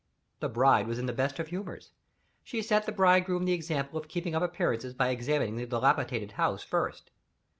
The bride was in the best of humors. She set the bridegroom the example of keeping up appearances by examining the dilapidated house first.